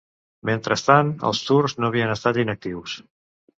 Mentrestant, els turcs no havien estat inactius.